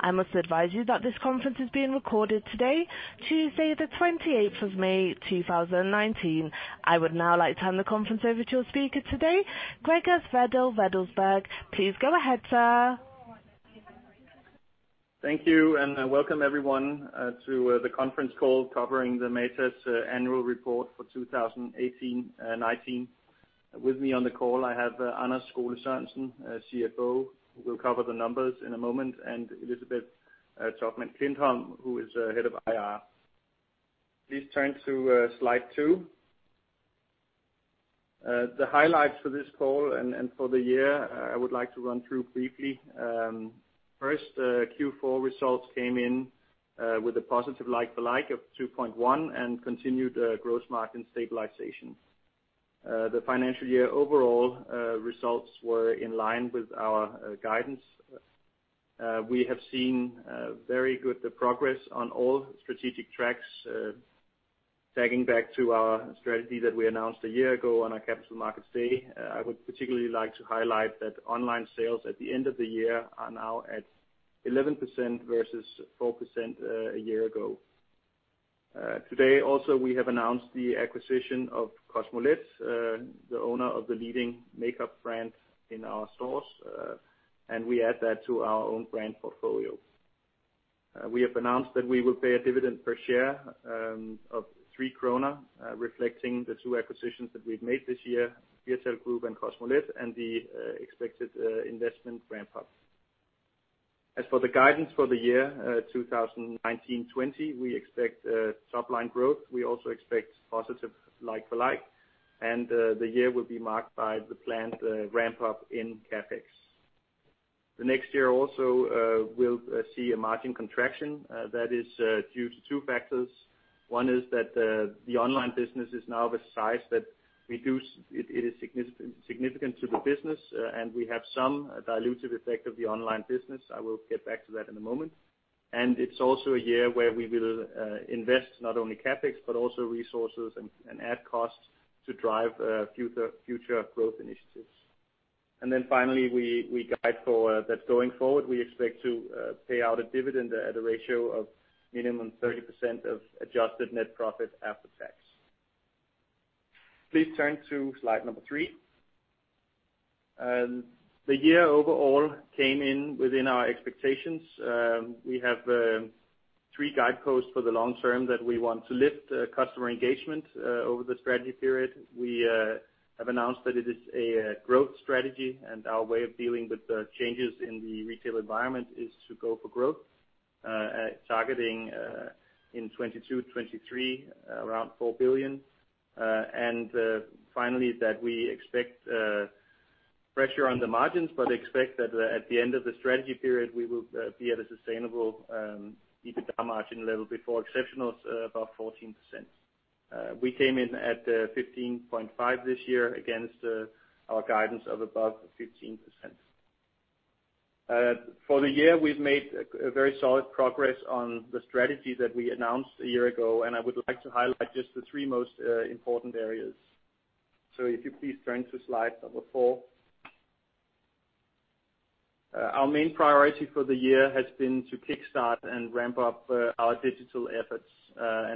I must advise you that this conference is being recorded today, Tuesday the 28th of May, 2019. I would now like to turn the conference over to your speaker today, Gregers Wedell-Wedellsborg. Please go ahead, sir. Thank you. Welcome everyone to the conference call covering the Matas annual report for 2018 and 2019. With me on the call, I have Anders Skole-Sørensen, CFO, who will cover the numbers in a moment, and Elisabeth Toftmann Klintholm, who is head of IR. Please turn to slide 2. The highlights for this call and for the year, I would like to run through briefly. First, Q4 results came in with a positive like-for-like of 2.1 and continued gross margin stabilization. The financial year overall results were in line with our guidance. We have seen very good progress on all strategic tracks. Tagging back to our strategy that we announced a year ago on our Capital Markets Day, I would particularly like to highlight that online sales at the end of the year are now at 11% versus 4% a year ago. Today, also, we have announced the acquisition of Kosmolet, the owner of the leading makeup brand in our stores. We add that to our own brand portfolio. We have announced that we will pay a dividend per share of 3 krone, reflecting the two acquisitions that we've made this year, Firtal Group and Kosmolet. The expected investment ramp-up. As for the guidance for the year 2019-2020, we expect top line growth. We also expect positive like-for-like. The year will be marked by the planned ramp-up in CapEx. The next year also will see a margin contraction that is due to two factors. One is that the online business is now of a size that it is significant to the business, and we have some dilutive effect of the online business. I will get back to that in a moment. It's also a year where we will invest not only CapEx, but also resources and add costs to drive future growth initiatives. Finally, we guide for that going forward, we expect to pay out a dividend at a ratio of minimum 30% of adjusted net profit after tax. Please turn to slide number three. The year overall came in within our expectations. We have three guideposts for the long term that we want to lift customer engagement over the strategy period. We have announced that it is a growth strategy, and our way of dealing with the changes in the retail environment is to go for growth, targeting in 2022, 2023, around 4 billion. Finally, we expect pressure on the margins, but expect that at the end of the strategy period, we will be at a sustainable EBITDA margin level before exceptionals above 14%. We came in at 15.5% this year against our guidance of above 15%. For the year, we've made very solid progress on the strategy that we announced a year ago, I would like to highlight just the three most important areas. If you please turn to slide number four. Our main priority for the year has been to kickstart and ramp up our digital efforts,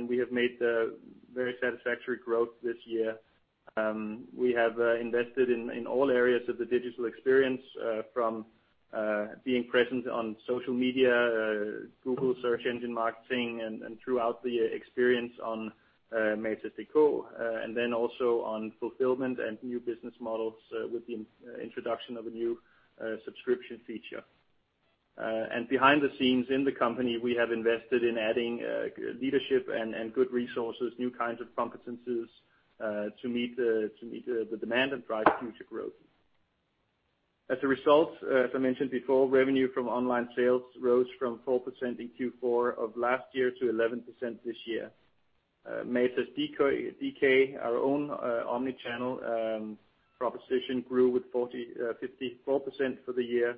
we have made very satisfactory growth this year. We have invested in all areas of the digital experience, from being present on social media, Google search engine marketing, and throughout the experience on matas.dk, and then also on fulfillment and new business models with the introduction of a new subscription feature. Behind the scenes in the company, we have invested in adding leadership and good resources, new kinds of competences to meet the demand and drive future growth. As a result, as I mentioned before, revenue from online sales rose from 4% in Q4 of last year to 11% this year. matas.dk, our own omnichannel proposition, grew with 54% for the year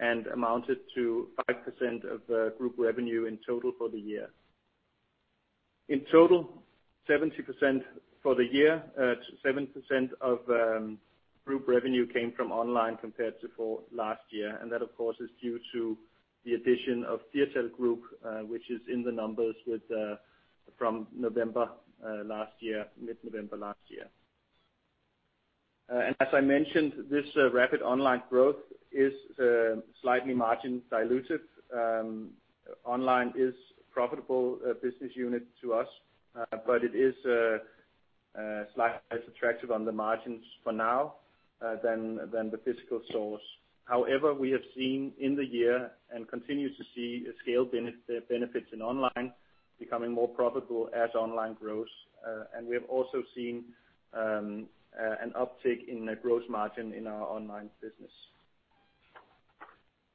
and amounted to 5% of group revenue in total for the year. In total, 7% of group revenue came from online compared to last year, that, of course, is due to the addition of Firtal Group, which is in the numbers from November last year, mid-November last year. As I mentioned, this rapid online growth is slightly margin dilutive. Online is profitable business unit to us, but it is slightly less attractive on the margins for now than the physical stores. However, we have seen in the year and continue to see scale benefits in online becoming more profitable as online grows. We have also seen an uptick in gross margin in our online business.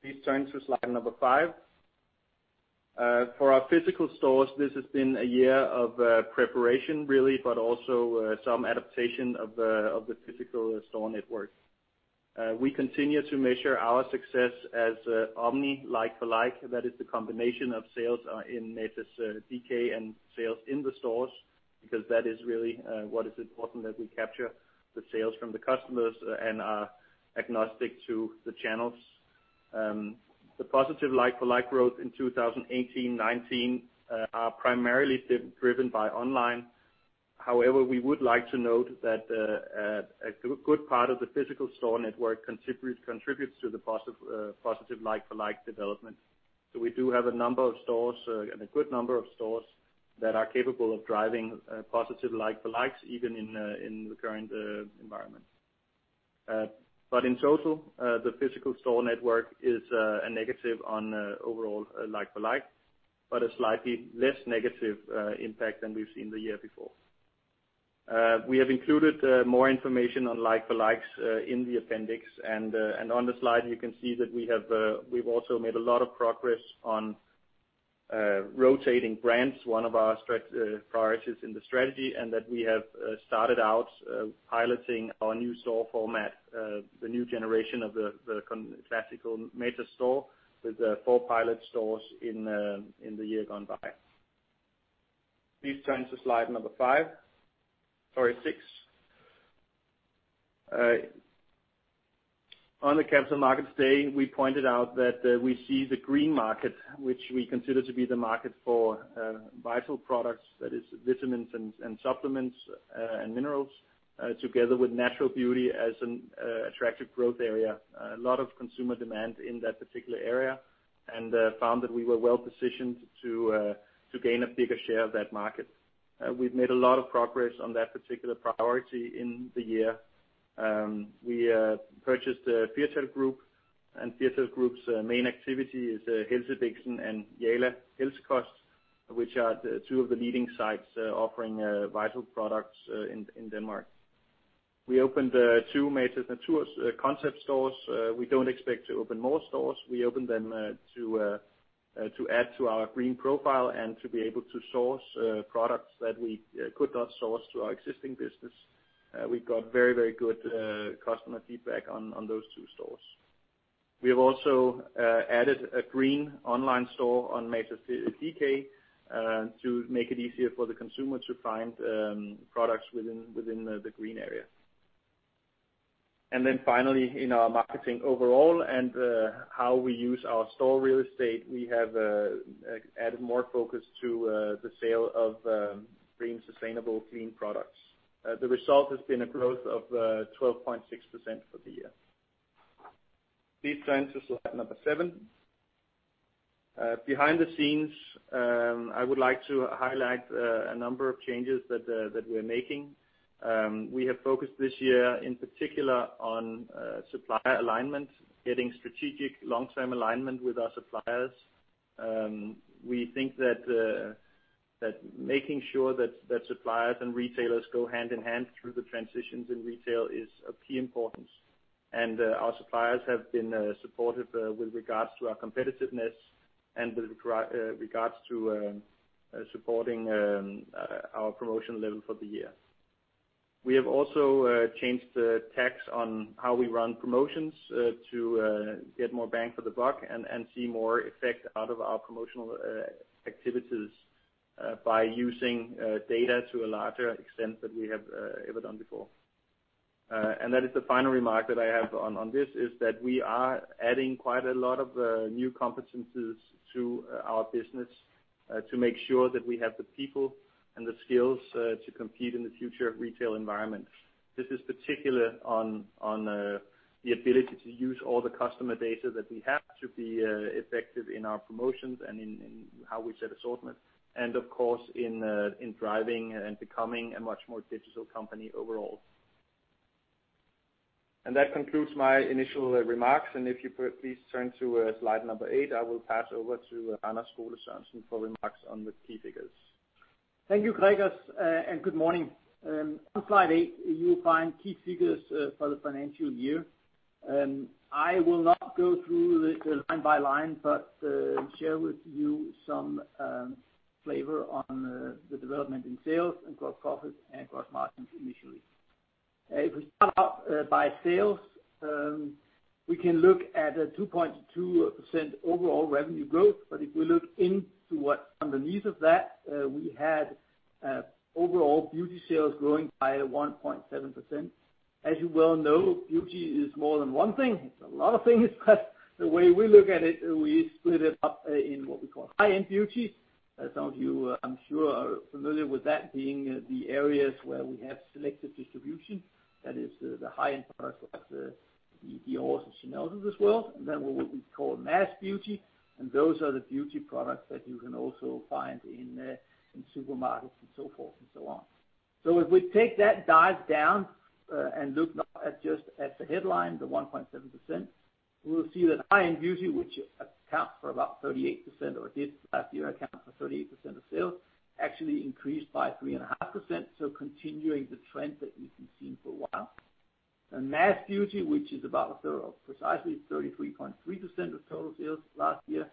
Please turn to slide number five. For our physical stores, this has been a year of preparation, really, but also some adaptation of the physical store network. We continue to measure our success as omni like-for-like. That is the combination of sales in matas.dk and sales in the stores. Because that is really what is important, that we capture the sales from the customers and are agnostic to the channels. The positive like-for-like growth in 2018-2019 are primarily driven by online. However, we would like to note that a good part of the physical store network contributes to the positive like-for-like development. We do have a number of stores, and a good number of stores, that are capable of driving positive like-for-likes even in the current environment. In total, the physical store network is a negative on overall like-for-like, but a slightly less negative impact than we've seen the year before. We have included more information on like-for-likes in the appendix, and on the slide, you can see that we've also made a lot of progress on rotating brands, one of our priorities in the strategy, and that we have started out piloting our new store format, the new generation of the classical Matas store with four pilot stores in the year gone by. Please turn to slide number six. On the Capital Markets Day, we pointed out that we see the green market, which we consider to be the market for Vital Shop, that is vitamins and supplements and minerals, together with natural beauty as an attractive growth area. A lot of consumer demand in that particular area, found that we were well positioned to gain a bigger share of that market. We've made a lot of progress on that particular priority in the year. We purchased the Firtal Group, Firtal Group's main activity is Helsebixen and Jala Helsekost, which are two of the leading sites offering vital products in Denmark. We opened two concept stores. We don't expect to open more stores. We opened them to add to our green profile and to be able to source products that we could not source to our existing business. We've got very good customer feedback on those two stores. We have also added a green online store on matas.dk to make it easier for the consumer to find products within the green area. Finally, in our marketing overall and how we use our store real estate, we have added more focus to the sale of green, sustainable, clean products. The result has been a growth of 12.6% for the year. Please turn to slide number seven. Behind the scenes, I would like to highlight a number of changes that we're making. We have focused this year, in particular, on supplier alignment, getting strategic long-term alignment with our suppliers. We think that making sure that suppliers and retailers go hand in hand through the transitions in retail is of key importance. Our suppliers have been supportive with regards to our competitiveness and with regards to supporting our promotion level for the year. We have also changed the tack on how we run promotions to get more bang for the buck and see more effect out of our promotional activities by using data to a larger extent than we have ever done before. That is the final remark that I have on this, is that we are adding quite a lot of new competencies to our business to make sure that we have the people and the skills to compete in the future retail environment. This is particular on the ability to use all the customer data that we have to be effective in our promotions and in how we set assortment, and of course, in driving and becoming a much more digital company overall. That concludes my initial remarks. If you please turn to slide number eight, I will pass over to Anders Skole-Sørensen for remarks on the key figures. Thank you, Gregers, good morning. On slide eight, you'll find key figures for the financial year. I will not go through this line by line, share with you some flavor on the development in sales and gross profit and gross margins initially. We start off by sales, we can look at a 2.2% overall revenue growth, we look into what's underneath of that, we had overall beauty sales growing by 1.7%. As you well know, beauty is more than one thing. It's a lot of things. The way we look at it, we split it up in what we call high-end beauty. Some of you, I'm sure are familiar with that being the areas where we have selective distribution, that is the high-end products like the Dior and Chanel of this world, and then what we call mass beauty, and those are the beauty products that you can also find in supermarkets and so forth and so on. We take that dive down and look not at just at the headline, the 1.7%, we will see that high-end beauty, which accounts for about 38% or did last year account for 38% of sales, actually increased by 3.5%, continuing the trend that we've been seeing for a while. Mass beauty, which is about precisely 33.3% of total sales last year,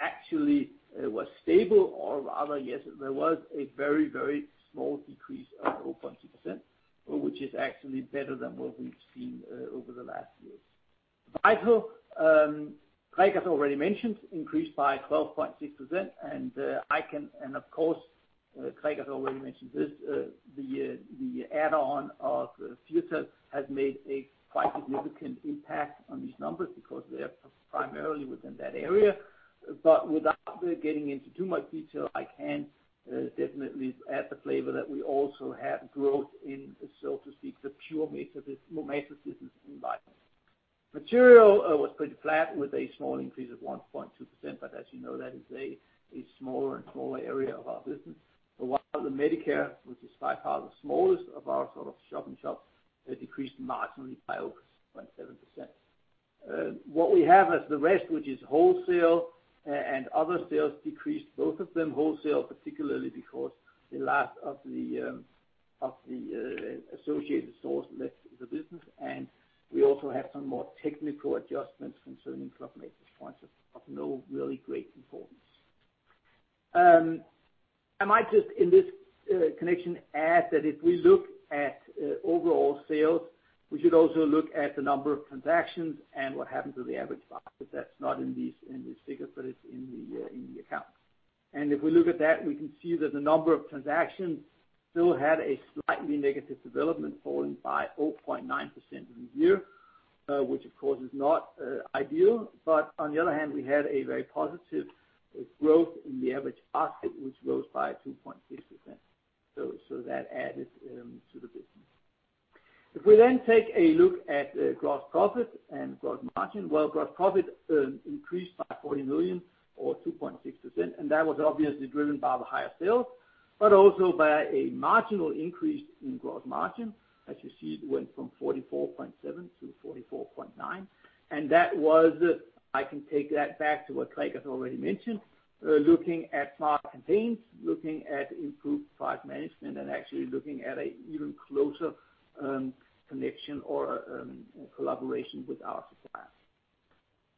actually was stable, or rather, yes, there was a very small decrease which is actually better than what we've seen over the last years. Vital, Gregers has already mentioned, increased by 12.6%, of course, Gregers has already mentioned this, the add-on of the Firtal has made a quite significant impact on these numbers because they're primarily within that area. Without getting into too much detail, I can definitely add the flavor that we also had growth in, so to speak, the pure Matas business environment. Material was pretty flat with a small increase of 1.2%, as you know, that is a smaller and smaller area of our business. While the Matas MediCare, which is by far the smallest of our shop-in-shop, decreased marginally by 0.7%. What we have as the rest, which is wholesale and other sales decreased, both of them wholesale particularly because the last of the associated source left the business, and we also have some more technical adjustments concerning Club Matas, points of no really great importance. I might just, in this connection, add that if we look at overall sales, we should also look at the number of transactions and what happened to the average basket that's not in these figures, but it's in the account. We look at that, we can see that the number of transactions still had a slightly negative development falling by 0.9% in the year, which, of course, is not ideal. On the other hand, we had a very positive growth in the average basket, which rose by 2.6%. That added to the business. We then take a look at the gross profit and gross margin. Well, gross profit increased by 40 million or 2.6%, and that was obviously driven by the higher sales, but also by a marginal increase in gross margin. As you see, it went from 44.7 to 44.9. That was, I can take that back to what Gregers has already mentioned, looking at markdowns, looking at improved price management, and actually looking at an even closer connection or collaboration with our suppliers.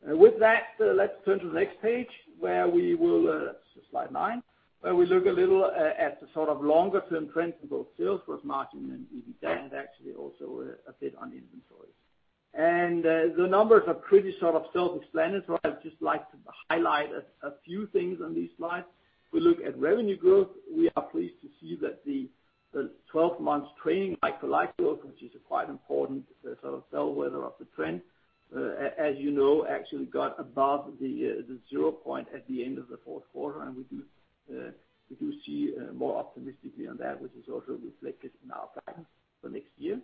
With that, let's turn to the next page, slide nine, where we look a little at the longer-term trends in both sales, gross margin, and EBITDA, and actually also a bit on inventories. The numbers are pretty self-explanatory. I'd just like to highlight a few things on these slides. We look at revenue growth. We are pleased to see that the 12 months trailing like-for-like growth, which is quite important sort of sell weather of the trend. As you know, actually got above the zero point at the end of the fourth quarter, and we do see more optimistically on that, which is also reflected in our patterns for next year.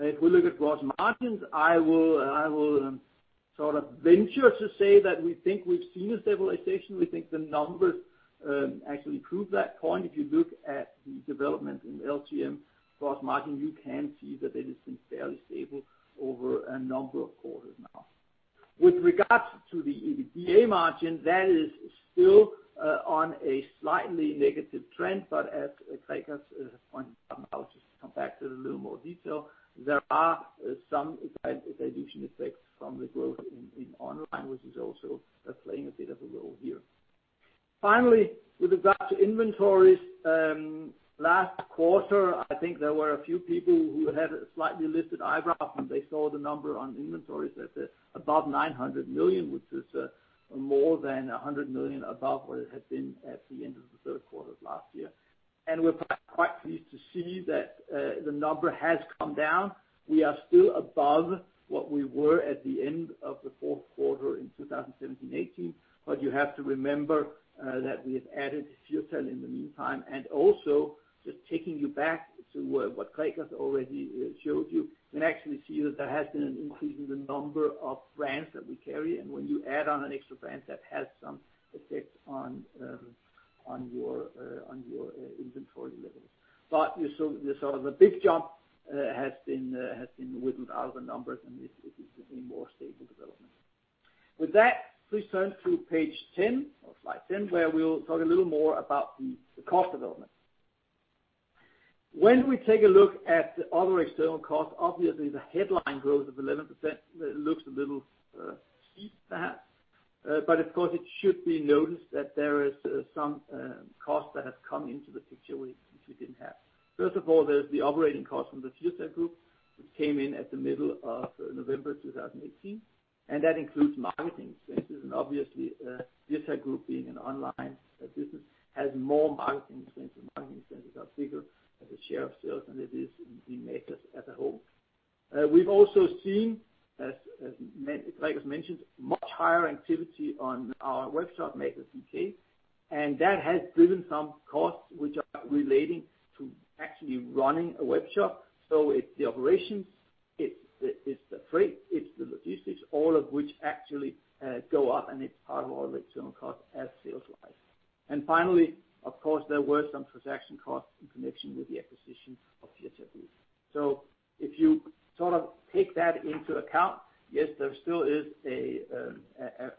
We look at gross margins. I will venture to say that we think we've seen a stabilization. We think the numbers actually prove that point. If you look at the development in LTM gross margin, you can see that it has been fairly stable over a number of quarters now. With regards to the EBITDA margin, that is still on a slightly negative trend. As Gregers has pointed out, I'll just come back to it in a little more detail, there are some dilution effects from the growth in online, which is also playing a bit of a role here. Finally, with regard to inventories, last quarter, I think there were a few people who had a slightly lifted eyebrow when they saw the number on inventories at above 900 million, which is more than 100 million above what it had been at the end of the third quarter last year. We're quite pleased to see that the number has come down. We are still above what we were at the end of the fourth quarter in 2017/18. You have to remember that we have added Firtal in the meantime, and also just taking you back to what Gregers has already showed you can actually see that there has been an increase in the number of brands that we carry, and when you add on an extra brand, that has some effect on your inventory levels. The big jump has been whittled out of the numbers, and it is a more stable development. With that, please turn to page 10 or slide 10, where we'll talk a little more about the cost development. When we take a look at the other external costs, obviously the headline growth of 11% looks a little steep perhaps. Of course, it should be noticed that there is some cost that has come into the picture which we didn't have. First of all, there's the operating cost from the Firtal Group, which came in at the middle of November 2018, and that includes marketing expenses, and obviously, Firtal Group being an online business, has more marketing expenses. Marketing expenses are bigger as a share of sales than it is in the Matas as a whole. We've also seen, as Gregers has mentioned, much higher activity on our webshop, matas.dk, and that has driven some costs which are relating to actually running a webshop. It's the operations, it's the freight, it's the logistics, all of which actually go up, and it's part of our external cost as sales rise. Finally, of course, there were some transaction costs in connection with the acquisition of Firtal Group. If you take that into account, yes, there still is a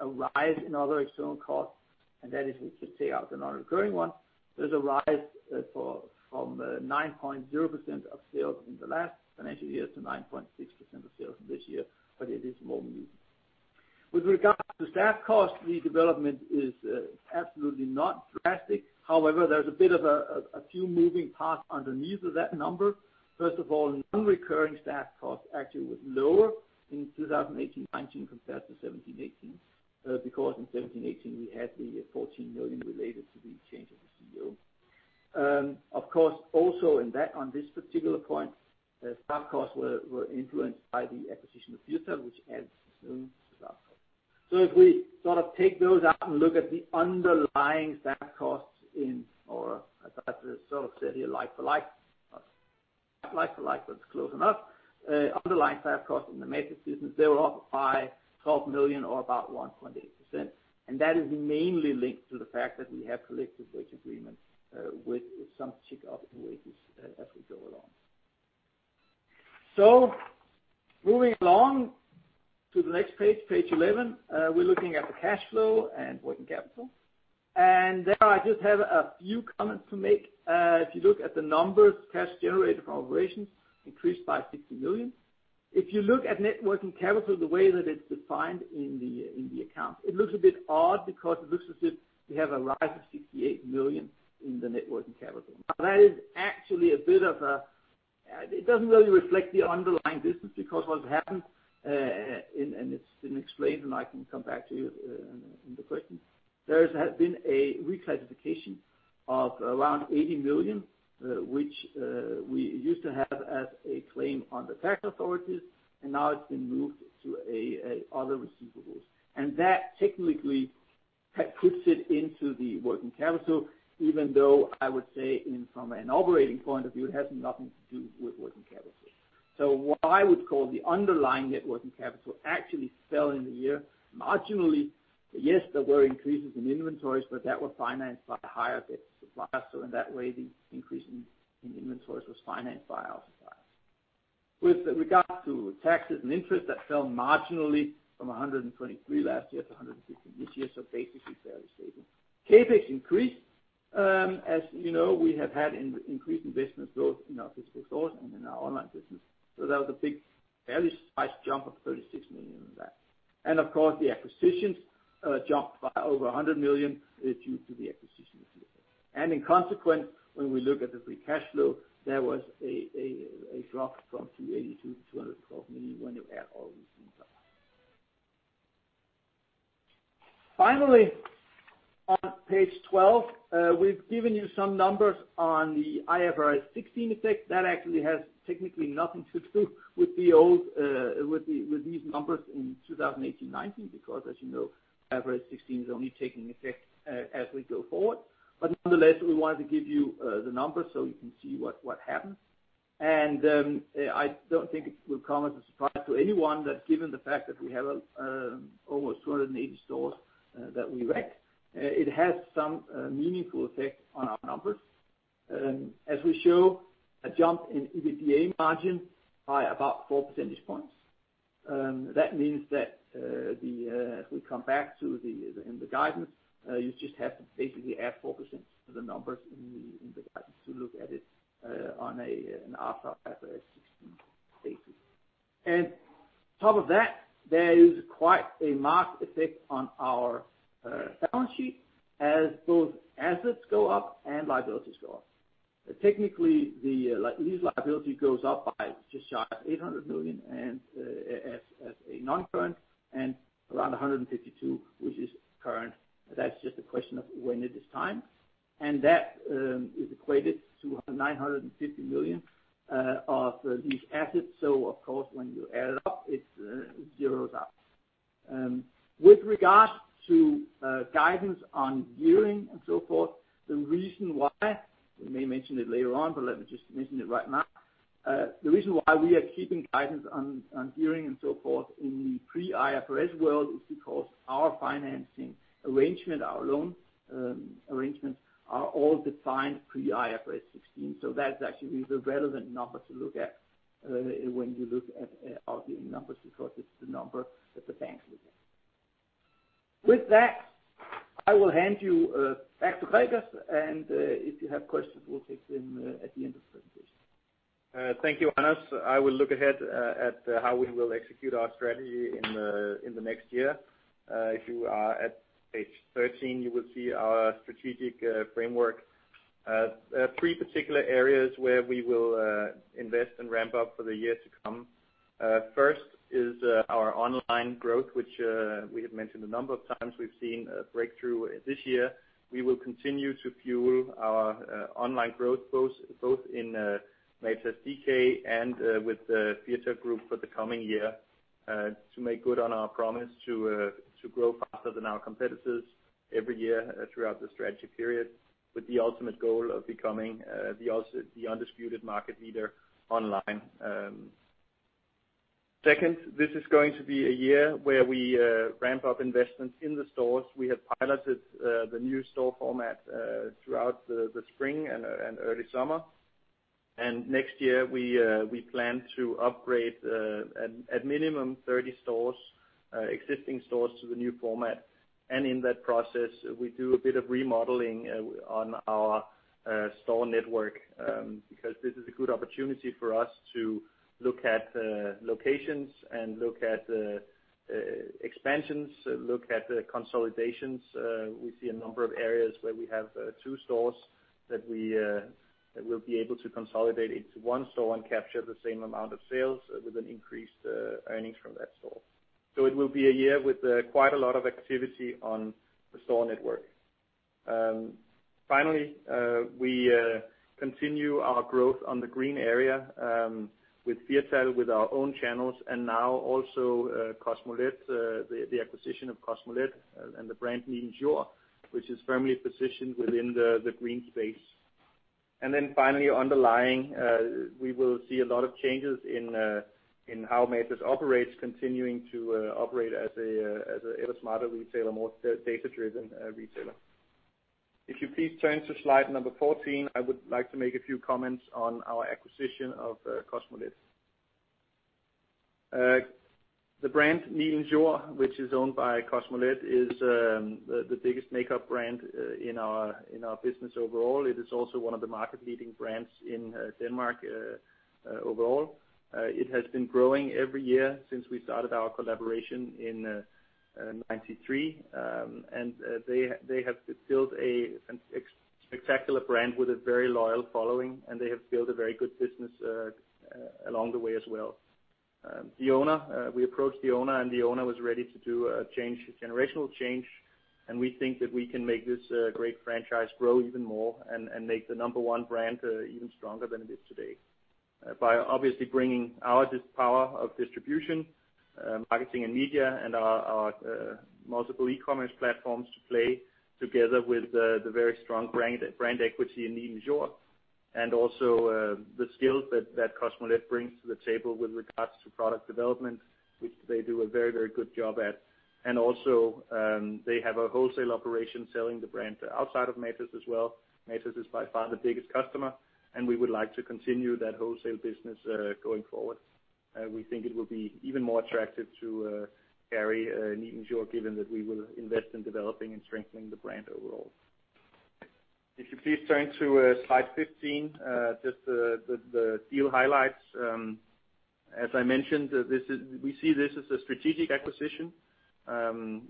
rise in other external costs, and that is if you take out the non-recurring one. There's a rise from 9.0% of sales in the last financial year to 9.6% of sales in this year, but it is more muted. With regard to staff costs, the development is absolutely not drastic. However, there's a bit of a few moving parts underneath of that number. First of all, non-recurring staff cost actually was lower in 2018/19 compared to 2017/18, because in 2017/18 we had the 14 million related to the change of the CEO. Of course, also on this particular point, staff costs were influenced by the acquisition of Firtal, which adds some staff costs. If we take those out and look at the underlying staff costs in, or as I've sort of said here, like-for-like, but it's close enough. Underlying staff costs in the Matas business, they were up by 12 million or about 1.8%. That is mainly linked to the fact that we have collective wage agreements with some tick up in wages as we go along. Moving along to the next page 11. We're looking at the cash flow and working capital. There I just have a few comments to make. If you look at the numbers, cash generated from operations increased by 60 million. If you look at net working capital, the way that it's defined in the accounts, it looks a bit odd because it looks as if we have a rise of 68 million in the net working capital. That is actually, it doesn't really reflect the underlying business because what happened, and it's been explained, and I can come back to you in the question, there has been a reclassification of around 80 million which we used to have as a claim on the tax authorities, and now it's been moved to other receivables. That technically puts it into the working capital, even though I would say from an operating point of view, it has nothing to do with working capital. What I would call the underlying net working capital actually fell in the year marginally. Yes, there were increases in inventories, but that was financed by higher debt suppliers. In that way, the increase in inventories was financed by our suppliers. With regard to taxes and interest, that fell marginally from 123 last year to 116 this year, basically fairly stable. CapEx increased. As you know, we have had increased investment both in our physical stores and in our online business. That was a big, fairly large jump of 36 million in that. Of course, the acquisitions jumped by over 100 million due to the acquisition of Firtal. In consequence, when we look at the free cash flow, there was a drop from 280 million to 212 million when you add all these things up. Finally, on page 12, we've given you some numbers on the IFRS 16 effect. That actually has technically nothing to do with these numbers in 2018/2019, because as you know, IFRS 16 is only taking effect as we go forward. Nonetheless, we wanted to give you the numbers so you can see what happens. I don't think it will come as a surprise to anyone that given the fact that we have almost 280 stores that we rent, it has some meaningful effect on our numbers. As we show a jump in EBITDA margin by about four percentage points. That means that if we come back to in the guidance, you just have to basically add 4% to the numbers in the guidance to look at it on an after IFRS 16 basis. On top of that, there is quite a marked effect on our balance sheet as both assets go up and liabilities go up. Technically, these liability goes up by just shy of 800 million and as a non-current and around 152 million, which is current. That's just a question of when it is time, and that is equated to 950 million of these assets. Of course, when you add it up, it zeros out. With regards to guidance on gearing and so forth, the reason why, we may mention it later on, but let me just mention it right now. The reason why we are keeping guidance on gearing and so forth in the pre-IFRS world is because our financing arrangement, our loan arrangements, are all defined pre-IFRS 16. That's actually the relevant number to look at when you look at our gearing numbers, because it's the number that the banks look at. With that, I will hand you back to Gregers. If you have questions, we'll take them at the end of the presentation. Thank you, Anders. I will look ahead at how we will execute our strategy in the next year. If you are at page 13, you will see our strategic framework. Three particular areas where we will invest and ramp up for the year to come. First is our online growth, which we have mentioned a number of times. We've seen a breakthrough this year. We will continue to fuel our online growth both in matas.dk and with the Firtal Group for the coming year to make good on our promise to grow faster than our competitors every year throughout the strategy period, with the ultimate goal of becoming the undisputed market leader online. Second, this is going to be a year where we ramp up investments in the stores. We have piloted the new store format throughout the spring and early summer. Next year, we plan to upgrade at minimum 30 existing stores to the new format. In that process, we do a bit of remodeling on our store network, because this is a good opportunity for us to look at locations, look at expansions, look at consolidations. We see a number of areas where we have two stores that we will be able to consolidate into one store and capture the same amount of sales with an increased earnings from that store. It will be a year with quite a lot of activity on the store network. Finally, we continue our growth on the green area, with Firtal, with our own channels, and now also Kosmolet, the acquisition of Kosmolet, and the brand Nilens Jord, which is firmly positioned within the green space. Finally, underlying, we will see a lot of changes in how Matas operates, continuing to operate as an ever-smarter retailer, more data-driven retailer. If you please turn to slide 14, I would like to make a few comments on our acquisition of Kosmolet. The brand Nilens Jord, which is owned by Kosmolet, is the biggest makeup brand in our business overall. It is also one of the market-leading brands in Denmark overall. It has been growing every year since we started our collaboration in 1993. They have built a spectacular brand with a very loyal following, and they have built a very good business along the way as well. We approached the owner. The owner was ready to do a generational change. We think that we can make this a great franchise grow even more and make the number one brand even stronger than it is today by obviously bringing our power of distribution, marketing and media, and our multiple e-commerce platforms to play together with the very strong brand equity in Nilens Jord. Also, the skills that Kosmolet brings to the table with regards to product development, which they do a very good job at. Also, they have a wholesale operation selling the brand outside of Matas as well. Matas is by far the biggest customer. We would like to continue that wholesale business going forward. We think it will be even more attractive to carry Nilens Jord given that we will invest in developing and strengthening the brand overall. If you please turn to slide 15, just the deal highlights. As I mentioned, we see this as a strategic acquisition.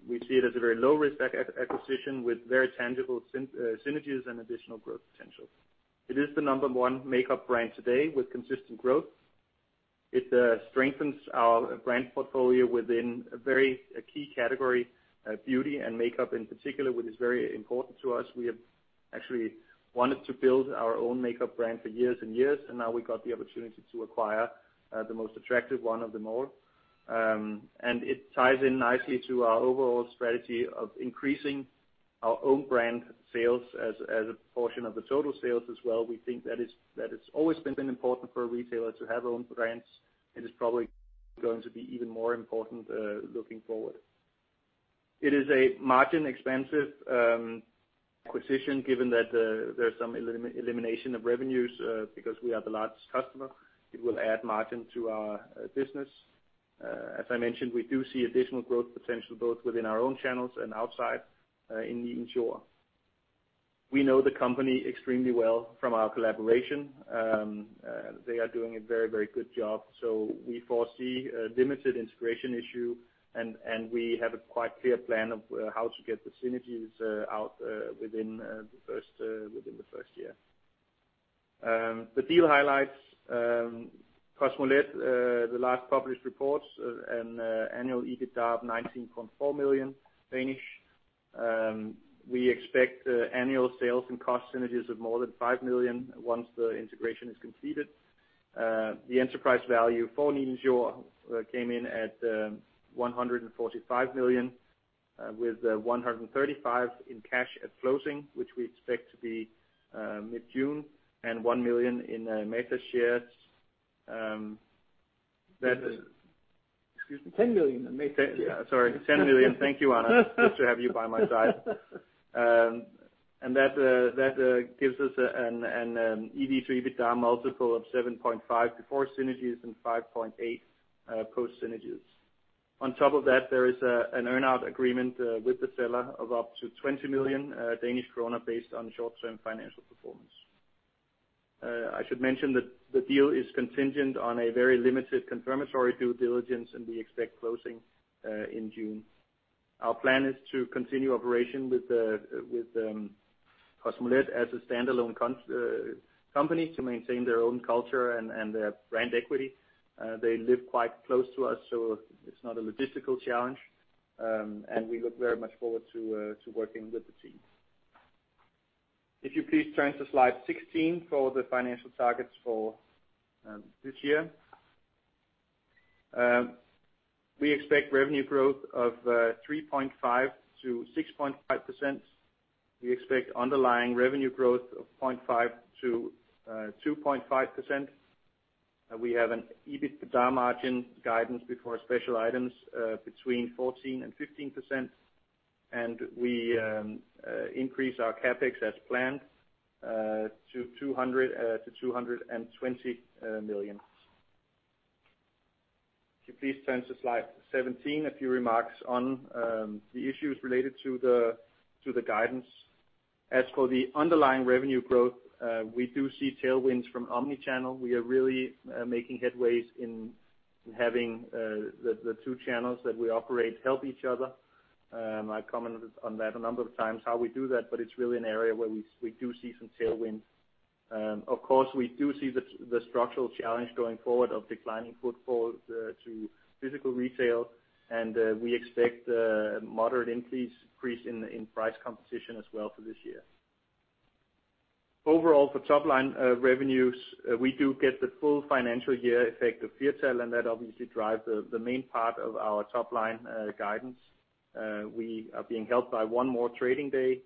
We see it as a very low-risk acquisition with very tangible synergies and additional growth potential. It is the number one makeup brand today with consistent growth. It strengthens our brand portfolio within a very key category, beauty and makeup in particular, which is very important to us. We have actually wanted to build our own makeup brand for years and years. Now we got the opportunity to acquire the most attractive one of them all. It ties in nicely to our overall strategy of increasing our own brand sales as a portion of the total sales as well. We think that it's always been important for a retailer to have their own brands, and it's probably going to be even more important looking forward. It is a margin-expansive acquisition given that there's some elimination of revenues because we are the largest customer. It will add margin to our business. As I mentioned, we do see additional growth potential both within our own channels and outside in Nilens Jord. We know the company extremely well from our collaboration. They are doing a very good job, so we foresee a limited integration issue, and we have a quite clear plan of how to get the synergies out within the first year. The deal highlights, Kosmolet, the last published reports, an annual EBITDA of 19.4 million. We expect annual sales and cost synergies of more than 5 million once the integration is completed. The enterprise value for Nilens Jord came in at 145 million, with 135 million in cash at closing, which we expect to be mid-June, and 1 million in Matas shares. Excuse me, 10 million in Matas shares. Sorry, 10 million. Thank you, Anna. Good to have you by my side. That gives us an EV to EBITDA multiple of 7.5 before synergies and 5.8 post synergies. On top of that, there is an earn-out agreement with the seller of up to 20 million Danish krone based on short-term financial performance. I should mention that the deal is contingent on a very limited confirmatory due diligence, and we expect closing in June. Our plan is to continue operation with Kosmolet as a standalone company to maintain their own culture and their brand equity. They live quite close to us, so it's not a logistical challenge. We look very much forward to working with the team. If you please turn to slide 16 for the financial targets for this year. We expect revenue growth of 3.5%-6.5%. We expect underlying revenue growth of 0.5%-2.5%. We have an EBITDA margin guidance before special items between 14% and 15%, and we increase our CapEx as planned to 200 million-220 million. If you please turn to slide 17, a few remarks on the issues related to the guidance. As for the underlying revenue growth, we do see tailwinds from omni-channel. We are really making headways in having the two channels that we operate help each other. I've commented on that a number of times, how we do that, but it's really an area where we do see some tailwinds. Of course, we do see the structural challenge going forward of declining footfall to physical retail, and we expect a moderate increase in price competition as well for this year. Overall, for top-line revenues, we do get the full financial year effect of Firtal, and that obviously drives the main part of our top-line guidance. We are being helped by one more trading day.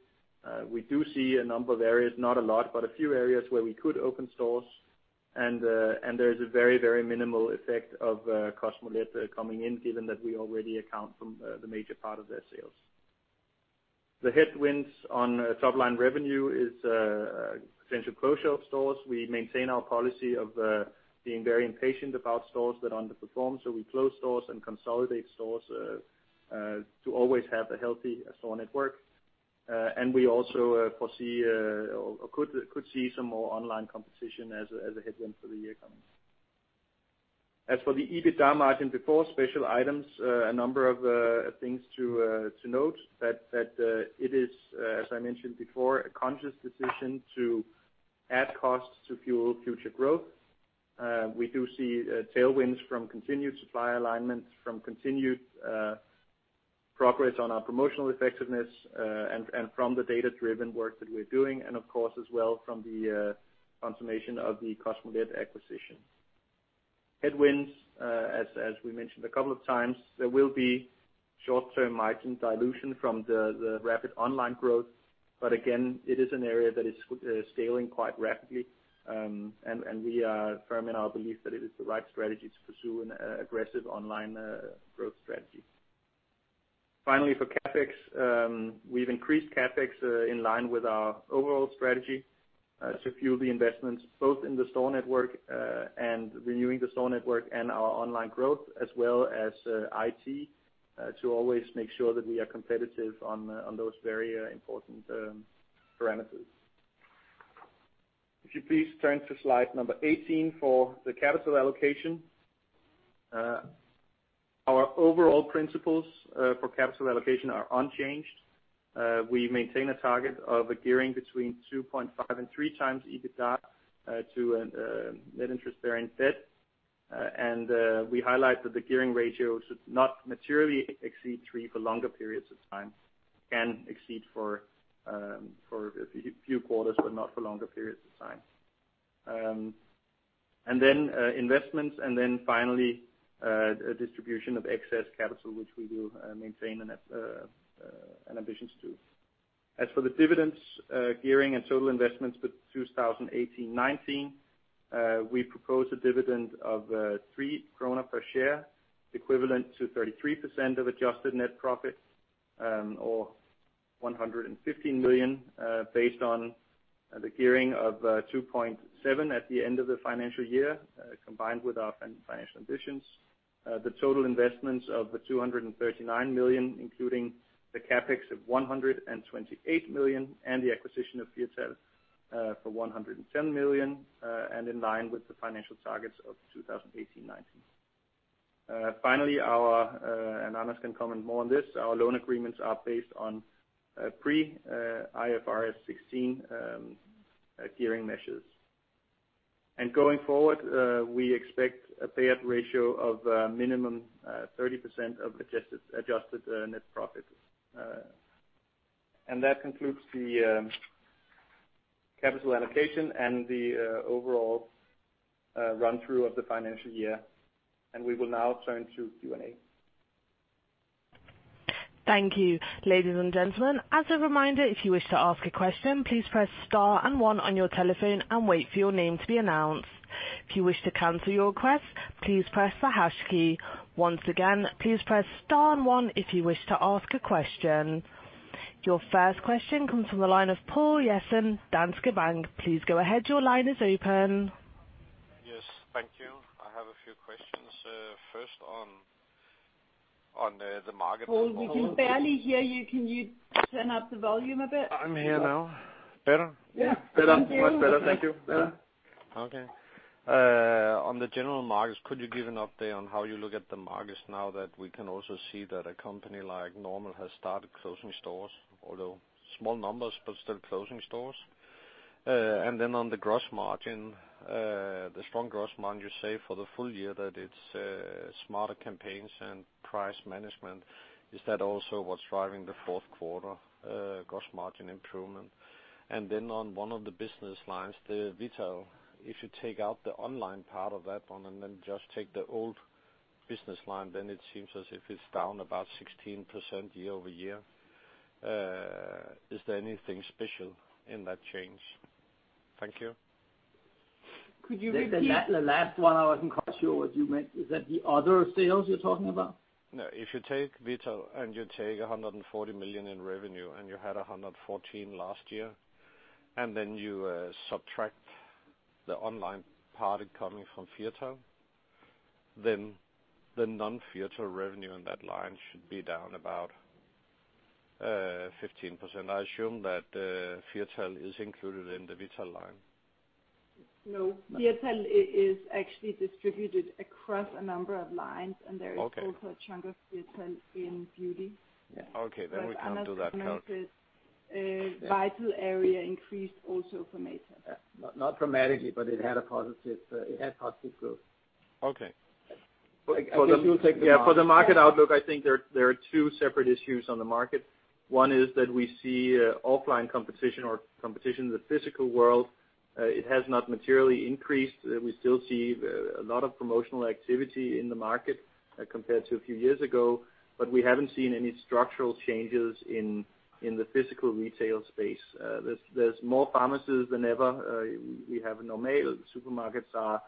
We do see a number of areas, not a lot, but a few areas where we could open stores, and there is a very minimal effect of Kosmolet coming in, given that we already account for the major part of their sales. The headwinds on top-line revenue is potential closure of stores. We maintain our policy of being very impatient about stores that underperform, so we close stores and consolidate stores to always have a healthy store network. We also could see some more online competition as a headwind for the year coming. As for the EBITDA margin before special items, a number of things to note, that it is, as I mentioned before, a conscious decision to add costs to fuel future growth. We do see tailwinds from continued supply alignment, from continued progress on our promotional effectiveness, and from the data-driven work that we're doing. Of course, as well from the consummation of the Kosmolet acquisition. Headwinds, as we mentioned a couple of times, there will be short-term margin dilution from the rapid online growth. Again, it is an area that is scaling quite rapidly, and we are firm in our belief that it is the right strategy to pursue an aggressive online growth strategy. Finally, for CapEx, we've increased CapEx in line with our overall strategy to fuel the investments both in the store network and renewing the store network and our online growth, as well as IT to always make sure that we are competitive on those very important parameters. If you please turn to slide 18 for the capital allocation. Our overall principles for capital allocation are unchanged. We maintain a target of a gearing between 2.5 and 3x EBITDA to a net interest-bearing debt. We highlight that the gearing ratio should not materially exceed 3 for longer periods of time. It can exceed for a few quarters, but not for longer periods of time. Then investments, then finally, distribution of excess capital, which we will maintain an ambitions to. As for the dividends gearing and total investments for 2018-2019, we propose a dividend of 3 krone per share, equivalent to 33% of adjusted net profit, or 115 million, based on the gearing of 2.7 at the end of the financial year, combined with our financial ambitions. The total investments of 239 million, including the CapEx of 128 million and the acquisition of Firtal for 110 million, and in line with the financial targets of 2018-2019. Finally, Anders can comment more on this, our loan agreements are based on pre-IFRS 16 gearing measures. Going forward, we expect a payout ratio of a minimum 30% of adjusted net profit. That concludes the capital allocation and the overall run-through of the financial year, and we will now turn to Q&A. Thank you. Ladies and gentlemen, as a reminder, if you wish to ask a question, please press star and one on your telephone and wait for your name to be announced. If you wish to cancel your request, please press the hash key. Once again, please press star and one if you wish to ask a question. Your first question comes from the line of Poul Jessen, Danske Bank. Please go ahead. Your line is open. Yes. Thank you. I have a few questions. First, on the market- Poul, we can barely hear you. Can you turn up the volume a bit? I'm here now. Better? Yeah. Thank you. Better. Much better. Thank you. Better. Okay. On the general markets, could you give an update on how you look at the markets now that we can also see that a company like Normal has started closing stores, although small numbers, but still closing stores? On the gross margin, the strong gross margin, you say for the full year that it's smarter campaigns and price management. Is that also what's driving the fourth quarter gross margin improvement? On one of the business lines, the Vital, if you take out the online part of that one and then just take the old business line, then it seems as if it's down about 16% year-over-year. Is there anything special in that change? Thank you. Could you repeat? The last one I wasn't quite sure what you meant. Is that the other sales you're talking about? No. If you take Vital and you take 140 million in revenue, and you had 114 last year, and then you subtract the online part coming from Firtal, then the non-Firtal revenue on that line should be down about 15%. I assume that Firtal is included in the Vital line. No. Firtal is actually distributed across a number of lines- Okay There is also a chunk of Firtal in beauty. Yeah. Okay. We can't do that count. As mentioned, Vital Shop area increased also for Matas. Not dramatically, but it had positive growth. Okay. I guess you'll take the market. Yeah. For the market outlook, I think there are two separate issues on the market. One is that we see offline competition or competition in the physical world. It has not materially increased. We still see a lot of promotional activity in the market compared to a few years ago, but we haven't seen any structural changes in the physical retail space. There's more pharmacies than ever. We have Normal Supermarkets are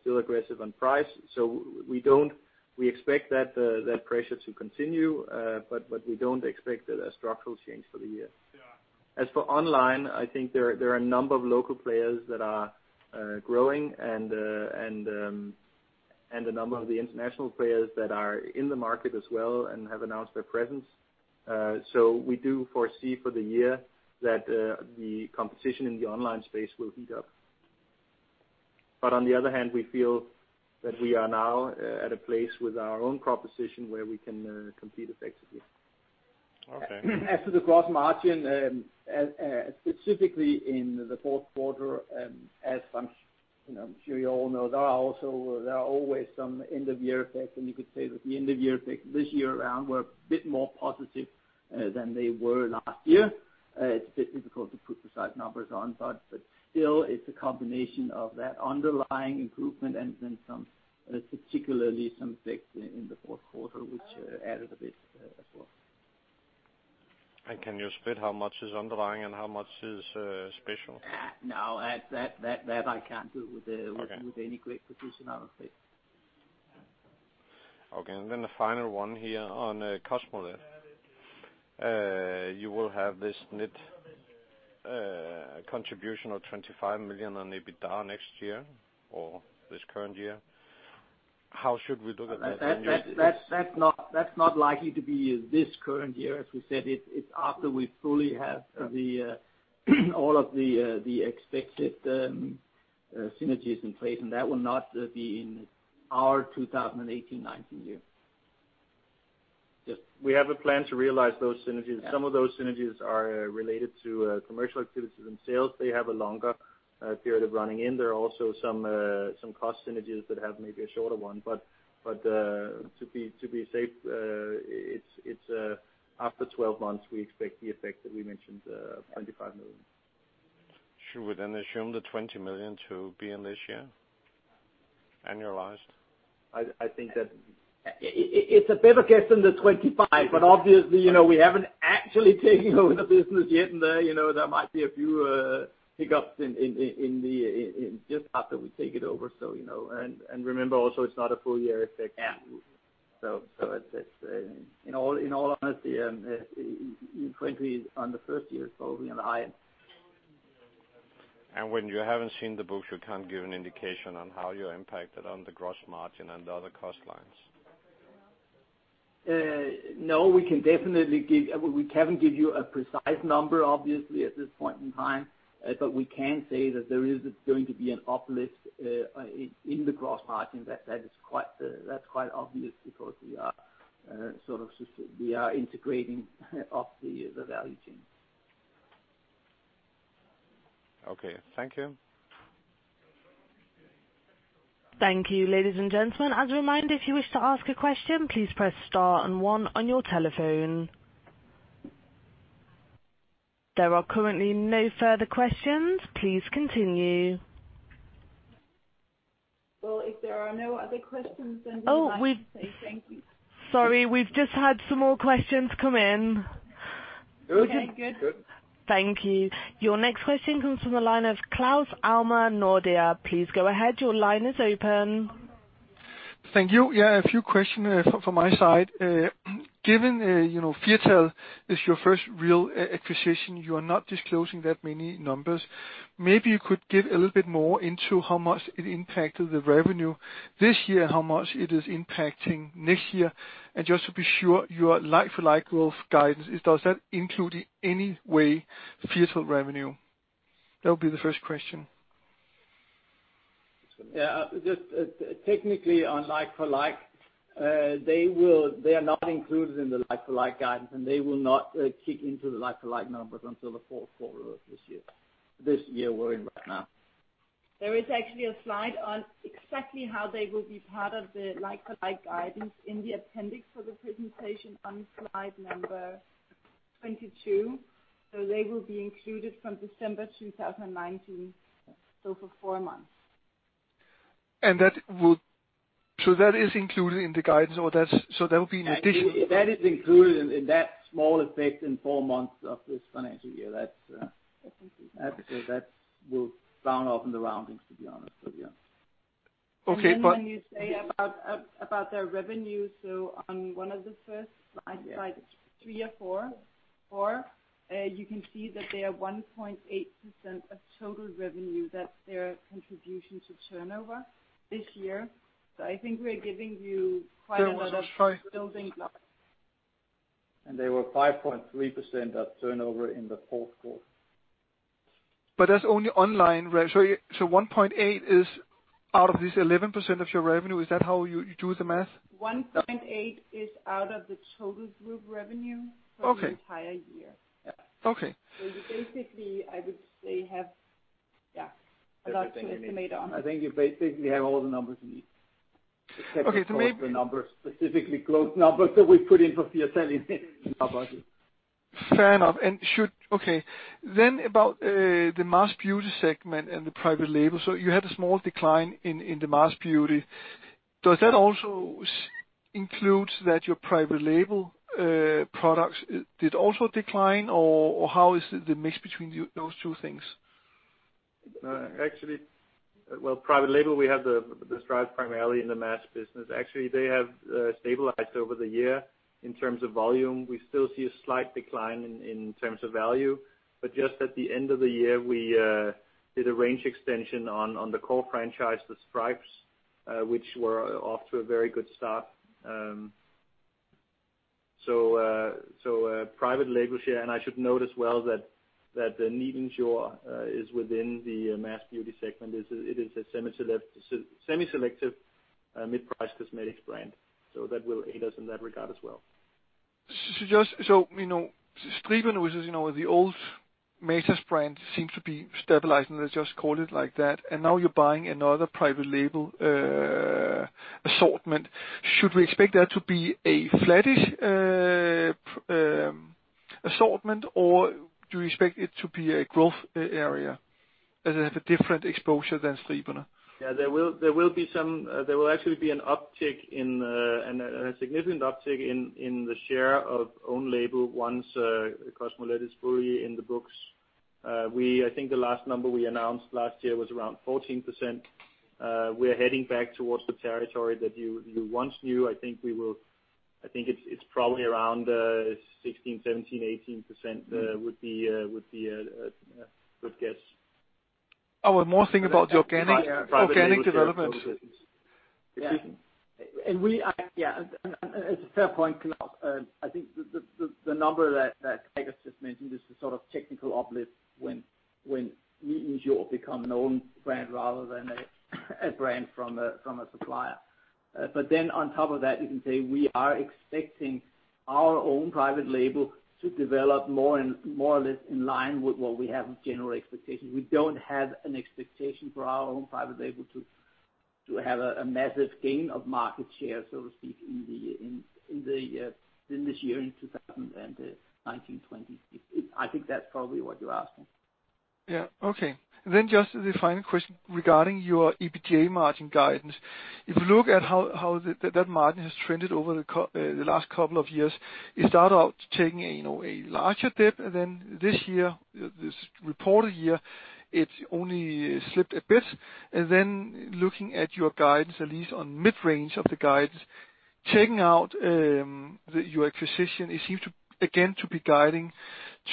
still aggressive on price. We expect that pressure to continue, but we don't expect a structural change for the year. Yeah. As for online, I think there are a number of local players that are growing and a number of the international players that are in the market as well and have announced their presence. We do foresee for the year that the competition in the online space will heat up. On the other hand, we feel that we are now at a place with our own proposition where we can compete effectively. Okay. As to the gross margin, specifically in the fourth quarter, as I'm sure you all know, there are always some end of year effects. You could say that the end of year effects this year around were a bit more positive than they were last year. It's a bit difficult to put the exact numbers on, still, it's a combination of that underlying improvement and then some, particularly some effects in the fourth quarter, which added a bit as well. Can you split how much is underlying and how much is special? No. That I can't do. Okay with any great precision, I'm afraid. Okay. The final one here on Kosmolet. You will have this net contribution of 25 million on EBITDA next year or this current year. How should we look at that? That's not likely to be this current year. As we said, it's after we fully have all of the expected synergies in place, that will not be in our 2018/19 year. Yes. We have a plan to realize those synergies. Yeah. Some of those synergies are related to commercial activities and sales. They have a longer period of running in. There are also some cost synergies that have maybe a shorter one. To be safe, it is after 12 months, we expect the effect that we mentioned, 25 million. Should we assume the 20 million to be in this year? Annualized? I think that- It is a better guess than the 25, obviously, we haven't actually taken over the business yet, and there might be a few hiccups in just after we take it over. Remember also, it is not a full year effect. Yeah. In all honesty, 20 on the first year is probably on the high end. When you haven't seen the books, you can't give an indication on how you're impacted on the gross margin and the other cost lines? No. We can't give you a precise number, obviously, at this point in time. We can say that there is going to be an uplift in the gross margin. That's quite obvious because we are integrating up the value chain. Okay. Thank you. Thank you, ladies and gentlemen. As a reminder, if you wish to ask a question, please press star and one on your telephone. There are currently no further questions. Please continue. Well, if there are no other questions, we'd like to say thank you. Sorry. We've just had some more questions come in. Okay, good. Good. Thank you. Your next question comes from the line of Claus Almer, Nordea. Please go ahead. Your line is open. Thank you. Yeah, a few questions from my side. Given Firtal is your first real acquisition, you are not disclosing that many numbers. Maybe you could give a little bit more into how much it impacted the revenue this year, how much it is impacting next year, and just to be sure, your like-for-like growth guidance, does that include in any way Firtal revenue? That would be the first question. Yeah. Just technically on like-for-like, they are not included in the like-for-like guidance, and they will not kick into the like-for-like numbers until the fourth quarter of this year we are in right now. There is actually a slide on exactly how they will be part of the like-for-like guidance in the appendix for the presentation on slide number six. 22. They will be included from December 2019, for four months. That is included in the guidance or that would be. That is included in that small effect in four months of this financial year. That will round off in the roundings, to be honest with you. Okay. When you say about their revenue, on one of the first slides, slide four. You can see that they are 1.8% of total revenue, that is their contribution to turnover this year. I think we are giving you quite a lot of building blocks. They were 5.3% of turnover in the fourth quarter. That is only online revenue. 1.8 is out of this 11% of your revenue. Is that how you do the math? 1.8 is out of the total group revenue. Okay for the entire year. Okay. You basically, I would say, have a lot to estimate on. I think you basically have all the numbers you need. Okay. Except the numbers, specifically close numbers that we put in for Firtal in 2020. Fair enough. About the mass beauty segment and the private label. You had a small decline in the mass beauty. Does that also includes that your private label products did also decline, or how is the mix between those two things? Actually, well, private label, we have the Striber primarily in the mass business. Actually, they have stabilized over the year in terms of volume. We still see a slight decline in terms of value. Just at the end of the year, we did a range extension on the core franchise, the Striber, which were off to a very good start. Private label share, and I should note as well that the Nilens Jord is within the mass beauty segment. It is a semi-selective mid-priced cosmetics brand. That will aid us in that regard as well. Striber, which is the old Matas brand, seems to be stabilizing. Let's just call it like that. Now you're buying another private label assortment. Should we expect that to be a flattish assortment, or do you expect it to be a growth area? Does it have a different exposure than Striber? There will actually be a significant uptick in the share of own label once Kosmolet is fully in the books. I think the last number we announced last year was around 14%. We're heading back towards the territory that you once knew. I think it's probably around 16%, 17%, 18% would be a good guess. I was more thinking about the organic development. It's a fair point, Claus. I think the number that Gregers just mentioned is the sort of technical uplift when Nilens Jord become known brand rather than a brand from a supplier. On top of that, you can say we are expecting our own private label to develop more or less in line with what we have general expectations. We don't have an expectation for our own private label to have a massive gain of market share, so to speak, in this year, in 2019-2020. I think that's probably what you're asking. Just the final question regarding your EBITDA margin guidance. If you look at how that margin has trended over the last couple of years, it started out taking a larger dip than this year, this reported year, it only slipped a bit. Looking at your guidance, at least on mid-range of the guidance, checking out your acquisition, it seems again to be guiding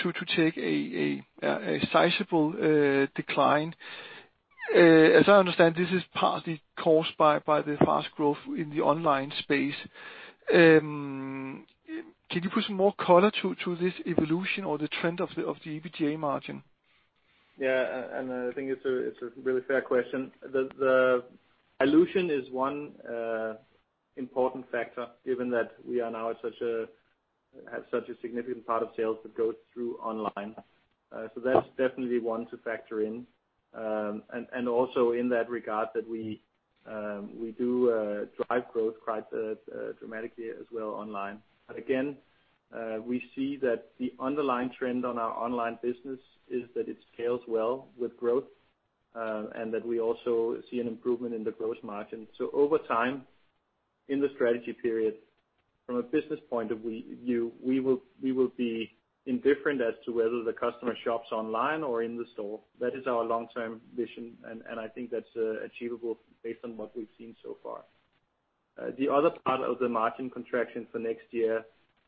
to take a sizable decline. As I understand, this is partly caused by the fast growth in the online space. Can you put some more color to this evolution or the trend of the EBITDA margin? Yeah, I think it's a really fair question. The dilution is one important factor, given that we now have such a significant part of sales that goes through online. That's definitely one to factor in. Also in that regard that we do drive growth quite dramatically as well online. Again, we see that the underlying trend on our online business is that it scales well with growth, and that we also see an improvement in the growth margin. Over time, in the strategy period, from a business point of view, we will be indifferent as to whether the customer shops online or in the store. That is our long-term vision, and I think that's achievable based on what we've seen so far. The other part of the margin contraction for next year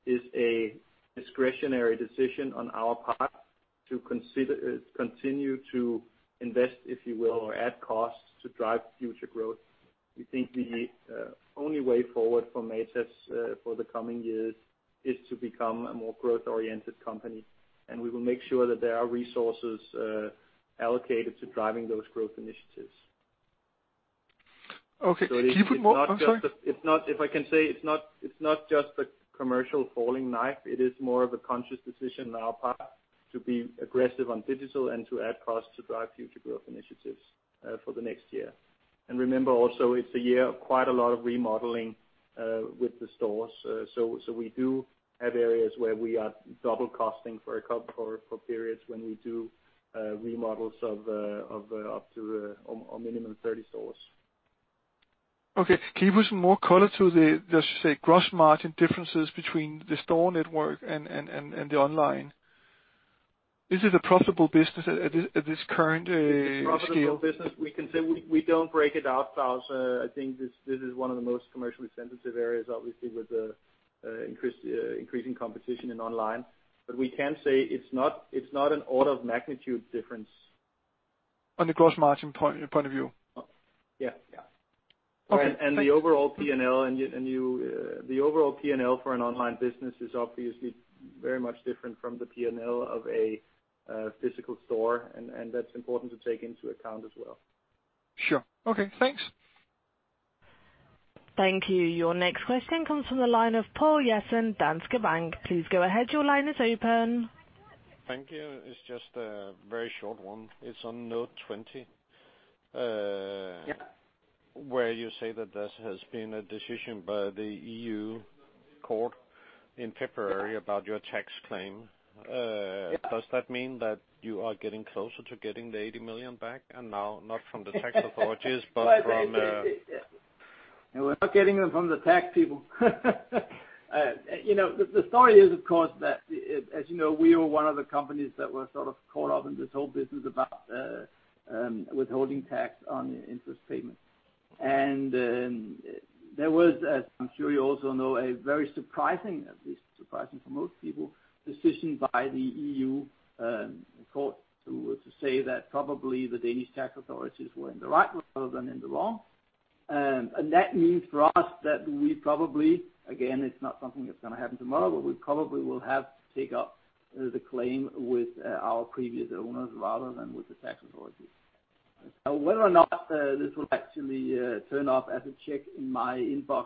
is a discretionary decision on our part to continue to invest, if you will, or add costs to drive future growth. We think the only way forward for Matas for the coming years is to become a more growth-oriented company, and we will make sure that there are resources allocated to driving those growth initiatives. Okay. Can you put I'm sorry. If I can say, it's not just a commercial falling knife, it is more of a conscious decision on our part to be aggressive on digital and to add costs to drive future growth initiatives for the next year. Remember also, it's a year of quite a lot of remodeling with the stores. We do have areas where we are double-costing for periods when we do remodels of up to a minimum 30 stores. Okay. Can you put some more color to the, let's just say, gross margin differences between the store network and the online? Is it a profitable business at this current scale? It's a profitable business. We can say we don't break it out, Claus. I think this is one of the most commercially sensitive areas, obviously, with the increasing competition in online. We can say it's not an order of magnitude difference. On the gross margin point of view? Yeah. Okay. The overall P&L for an online business is obviously very much different from the P&L of a physical store, and that's important to take into account as well. Sure. Okay, thanks. Thank you. Your next question comes from the line of Poul Jessen, Danske Bank. Please go ahead. Your line is open. Thank you. It's just a very short one. It's on Note 20. Yeah Where you say that this has been a decision by the EU court in February about your tax claim. Yeah. Does that mean that you are getting closer to getting the 80 million back? Now, not from the tax authorities, but from- We're not getting them from the tax people. The story is, of course, that as you know, we were one of the companies that were sort of caught up in this whole business about withholding tax on interest payments. There was, as I'm sure you also know, a very surprising, at least surprising for most people, decision by the EU court to say that probably the Danish tax authorities were in the right rather than in the wrong. That means for us that we probably, again, it's not something that's going to happen tomorrow, but we probably will have to take up the claim with our previous owners rather than with the tax authorities. Now, whether or not this will actually turn up as a check in my inbox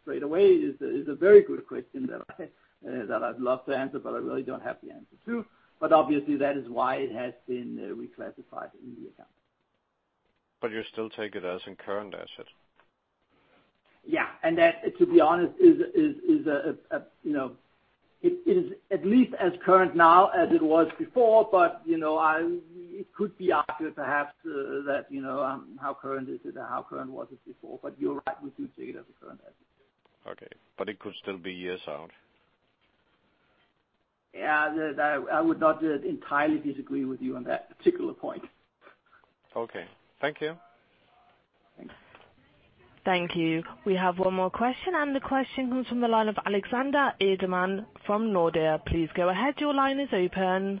straight away is a very good question that I'd love to answer, but I really don't have the answer to. Obviously that is why it has been reclassified in the account. You still take it as in current asset? That, to be honest, is at least as current now as it was before. It could be argued perhaps that how current is it or how current was it before? You're right, we do take it as a current asset. Okay. It could still be years out? Yeah, I would not entirely disagree with you on that particular point. Okay. Thank you. Thanks. Thank you. We have one more question, and the question comes from the line of Alexander Edelman from Nordea. Please go ahead. Your line is open.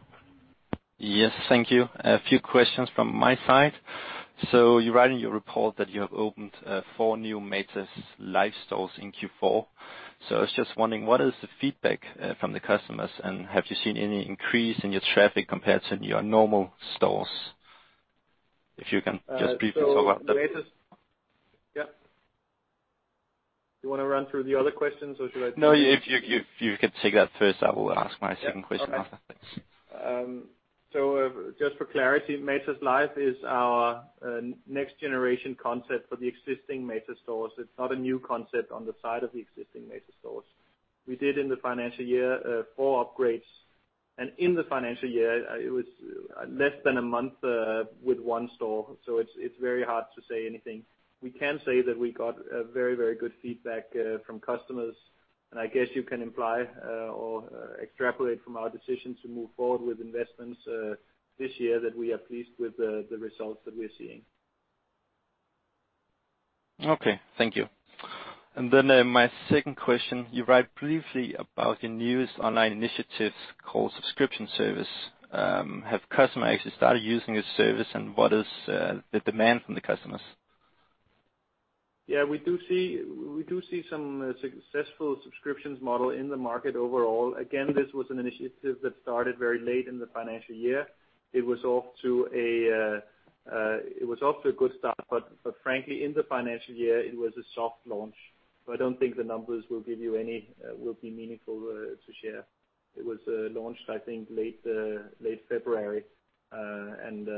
Yes. Thank you. A few questions from my side. You write in your report that you have opened four new Matas Life stores in Q4. I was just wondering, what is the feedback from the customers, and have you seen any increase in your traffic compared to your normal stores? If you can just briefly talk about that. The Matas Yeah. You want to run through the other questions, or should I- No, if you could take that first, I will ask my second question after. Just for clarity, Matas Life is our next generation concept for the existing Matas stores. It's not a new concept on the side of the existing Matas stores. We did in the financial year four upgrades, and in the financial year it was less than a month with one store, so it's very hard to say anything. We can say that we got very good feedback from customers, and I guess you can imply or extrapolate from our decision to move forward with investments this year that we are pleased with the results that we're seeing. Thank you. My second question, you write briefly about the newest online initiative called subscription service. Have customers actually started using this service, and what is the demand from the customers? We do see some successful subscriptions model in the market overall. Again, this was an initiative that started very late in the financial year. It was off to a good start, but frankly, in the financial year, it was a soft launch. I don't think the numbers will be meaningful to share. It was launched, I think late February, and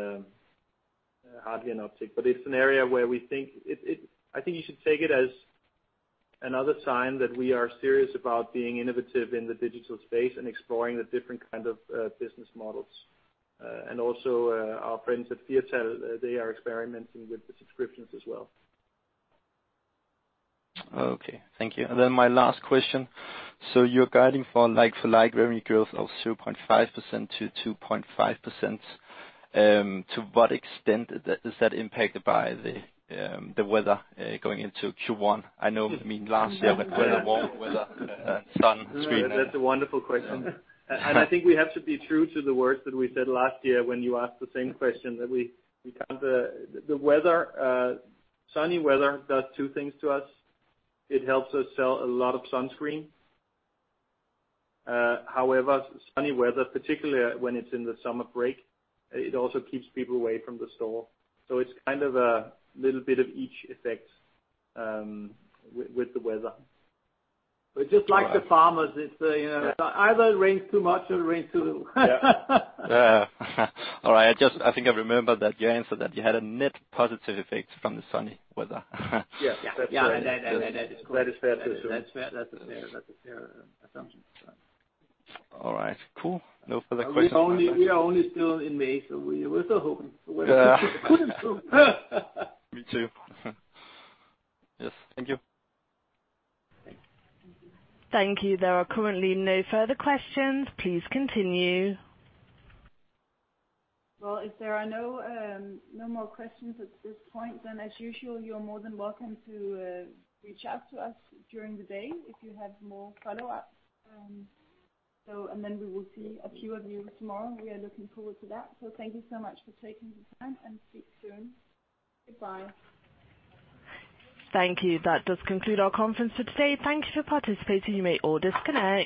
hardly an uptick. It's an area where I think you should take it as another sign that we are serious about being innovative in the digital space and exploring the different kind of business models. Also our friends at TS, they are experimenting with the subscriptions as well. Thank you. My last question. You're guiding for like-for-like revenue growth of 0.5%-2.5%. To what extent is that impacted by the weather going into Q1? I know, I mean, last year with weather, warm weather, sunscreen. That's a wonderful question. I think we have to be true to the words that we said last year when you asked the same question, that we count the weather. Sunny weather does two things to us. It helps us sell a lot of sunscreen. However, sunny weather, particularly when it's in the summer break, it also keeps people away from the store. It's kind of a little bit of each effect with the weather. Just like the farmers, it's either it rains too much or it rains too little. Yeah. All right, I think I remember that you answered that you had a net positive effect from the sunny weather. Yes. Yeah. That is correct. That is fair to assume. That's a fair assumption. All right, cool. No further questions. We are only still in May, so we're still hoping the weather could improve. Me too. Yes. Thank you. Thank you. There are currently no further questions. Please continue. If there are no more questions at this point, as usual, you're more than welcome to reach out to us during the day if you have more follow-ups. We will see a few of you tomorrow. We are looking forward to that. Thank you so much for taking the time, and speak soon. Goodbye. Thank you. That does conclude our conference for today. Thank you for participating. You may all disconnect.